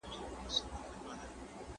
دا شاته حساب دئ.